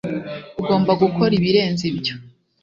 ugomba gukora ibirenze ibyo